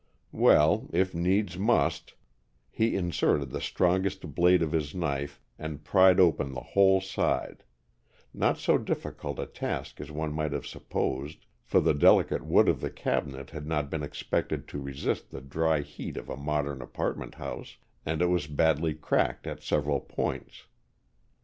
Well, if needs must He inserted the strongest blade of his knife and pried open the whole side, not so difficult a task as one might have supposed, for the delicate wood of the cabinet had not been expected to resist the dry heat of a modern apartment house, and it was badly cracked at several points.